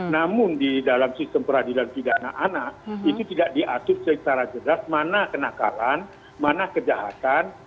namun di dalam sistem peradilan pidana anak itu tidak diatur secara jelas mana kenakalan mana kejahatan